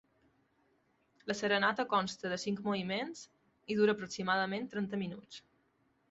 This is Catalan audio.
La serenata consta de cinc moviments i dura aproximadament trenta minuts.